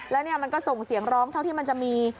แล้วเนี่ยมันก็ส่งเสียงร้องเท่าที่มันจะมี